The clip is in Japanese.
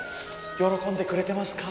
喜んでくれてますか？